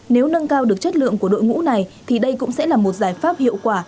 nếu nâng cao được chất lượng của đội ngũ này thì đây cũng sẽ là một giải pháp hiệu quả